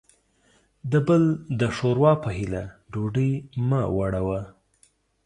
د بل د ښور وا په هيله ډوډۍ مه وړوه.